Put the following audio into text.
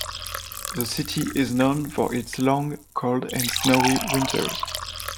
The city is known for its long, cold and snowy winters.